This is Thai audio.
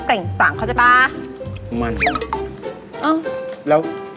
เสร็จต่างเขาจะป๋ามั่นเฮ้อ